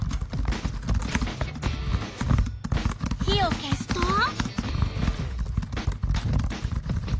火を消すと。